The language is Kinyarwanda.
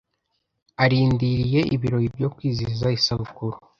Arindiriye ibirori byo kwizihiza isabukuru.